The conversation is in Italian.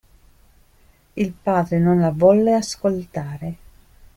Il padre non la volle ascoltare.